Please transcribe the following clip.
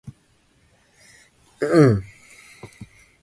Trout answered an ad in the local newspaper.